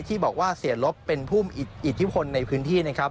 ที่บอกว่าเสียรบเป็นภูมิอิทธิพลในพื้นที่